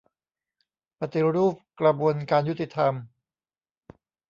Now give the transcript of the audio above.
ปฏิรูปกระบวนการยุติธรรม